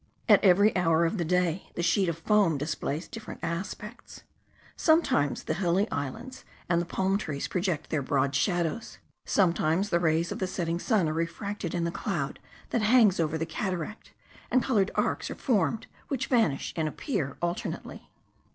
At every hour of the day the sheet of foam displays different aspects. Sometimes the hilly islands and the palm trees project their broad shadows; sometimes the rays of the setting sun are refracted in the cloud that hangs over the cataract, and coloured arcs are formed which vanish and appear alternately.